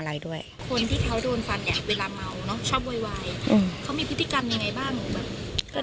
พวกเขาโดนฟันเวลาเมาเค้าสนุกแบบโวยวาย